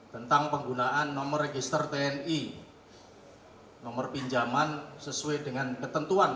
tentang penggunaan nomor register tni nomor pinjaman sesuai dengan ketentuan